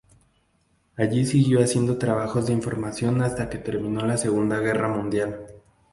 Allí siguió haciendo trabajos de información hasta que terminó la Segunda Guerra Mundial.